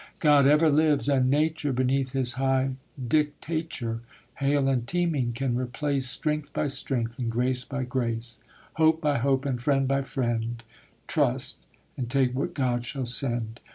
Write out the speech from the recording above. God ever lives; and Nature, Beneath His high dictature, Hale and teeming, can replace Strength by strength, and grace by grace, Hope by hope, and friend by friend: Trust; and take what God shall send.